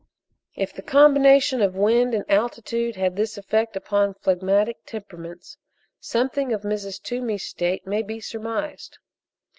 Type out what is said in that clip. If the combination of wind and altitude had this effect upon phlegmatic temperaments, something of Mrs. Toomey's state may be surmised.